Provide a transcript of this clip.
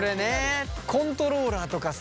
コントローラーとかさ